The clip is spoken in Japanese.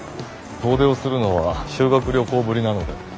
遠出をするのは修学旅行ぶりなので。